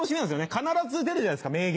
必ず出るじゃないですか名言。